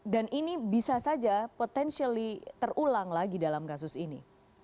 dan ini bisa saja potensial terulang lagi dalam kasus ini